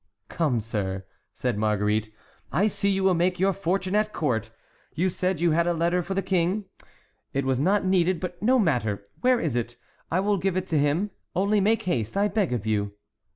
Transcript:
"Come, sir," said Marguerite, "I see you will make your fortune at court; you said you had a letter for the king, it was not needed, but no matter! Where is it? I will give it to him—only make haste, I beg of you."